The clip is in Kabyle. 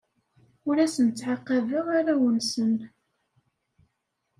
Ur asen-ttɛaqabeɣ arraw-nsen.